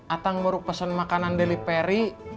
atang baru pesen makanan deli peri